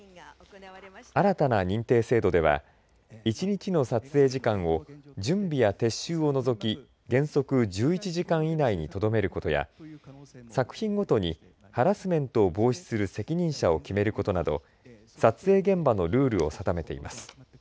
新たな認定制度では１日の撮影時間を準備や撤収を除き原則１１時間以内にとどめることや作品ごとにハラスメントを防止する責任者を決めることなど撮影現場のルールを定めています。